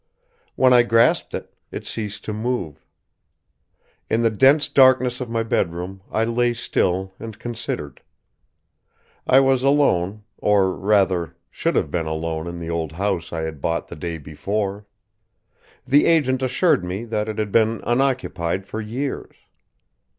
When I grasped it, it ceased to move. In the dense darkness of my bedroom, I lay still and considered. I was alone, or rather, should have been alone in the old house I had bought the day before. The agent assured me that it had been unoccupied for years.